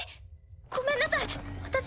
ごめんなさい私。